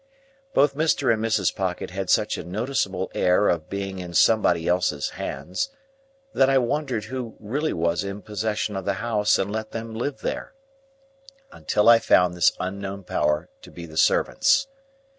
Both Mr. and Mrs. Pocket had such a noticeable air of being in somebody else's hands, that I wondered who really was in possession of the house and let them live there, until I found this unknown power to be the servants.